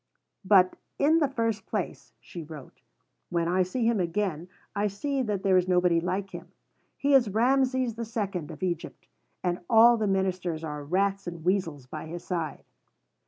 But "in the first place," she wrote, "when I see him again, I see that there is nobody like him. He is Rameses II. of Egypt. All the Ministers are rats and weasels by his side."